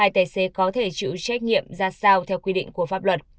hai tài xế có thể chịu trách nhiệm ra sao theo quy định của pháp luật